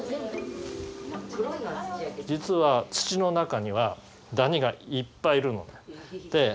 実は土の中にはダニがいっぱいいるのね。